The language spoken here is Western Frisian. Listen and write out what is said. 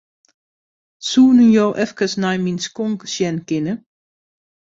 Soenen jo efkes nei myn skonk sjen kinne?